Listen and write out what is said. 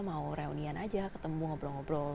mau reunian aja ketemu ngobrol ngobrol